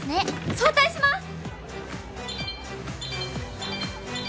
早退します！